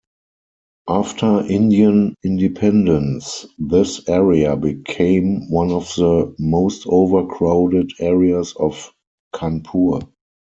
After Indian Independence, this area became one of the most overcrowded areas of Kanpur.